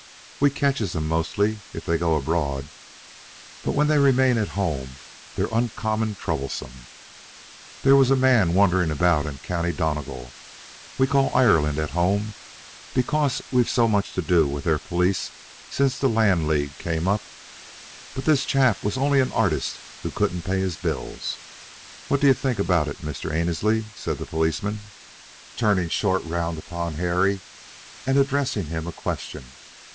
We catches 'em mostly if they go abroad; but when they remains at home they're uncommon troublesome. There was a man wandering about in County Donegal. We call Ireland at home, because we've so much to do with their police since the Land League came up; but this chap was only an artist who couldn't pay his bill. What do you think about it, Mr. Annesley?" said the policeman, turning short round upon Harry, and addressing him a question.